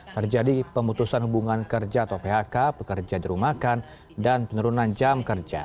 terjadi pemutusan hubungan kerja atau phk pekerja dirumahkan dan penurunan jam kerja